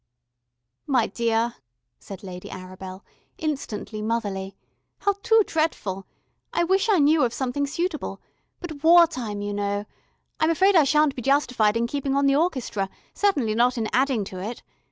"My dear," said Lady Arabel, instantly motherly. "How too dretful. I wish I knew of something suitable. But war time you know, I'm afraid I shan't be justified in keeping on the orchestra, certainly not in adding to it.